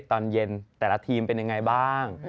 ตอนเย็นแต่ละทีมเป็นยังไงบ้าง